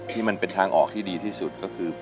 ที่มันเป็นทางออกที่ดีที่สุดก็คือ